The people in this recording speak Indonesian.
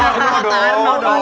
ternyata no dong